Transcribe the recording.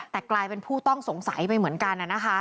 แต่กลายเป็นผู้ต้องสงสัยไปเหมือนกัน